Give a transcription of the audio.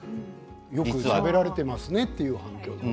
よくしゃべられていますねっていう反響。